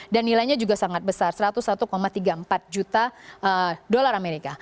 dan nilainya juga sangat besar satu ratus satu tiga puluh empat juta dolar amerika